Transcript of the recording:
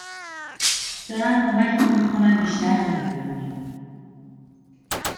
دارن کمکمون میکنن بیشتر زنده بمونیم